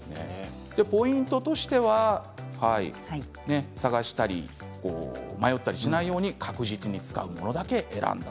ポイントとしては探したり迷ったりしないように確実に使うものだけを選ぶ。